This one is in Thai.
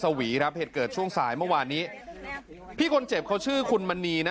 วีครับเหตุเกิดช่วงสายเมื่อวานนี้พี่คนเจ็บเขาชื่อคุณมณีนะ